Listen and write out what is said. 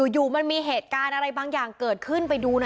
อยู่มันมีเหตุการณ์อะไรบางอย่างเกิดขึ้นไปดูหน่อย